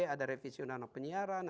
ada revisi undang undang penyiaran